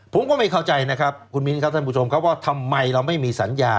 ผมก็ไม่เข้าใจนะครับคุณมิ้นครับท่านผู้ชมครับว่าทำไมเราไม่มีสัญญา